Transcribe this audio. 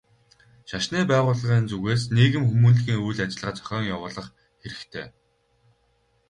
Шашны байгууллагын зүгээс нийгэм хүмүүнлэгийн үйл ажиллагаа зохион явуулах хэрэгтэй.